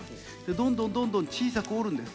どんどんどんどん小さく折るんです。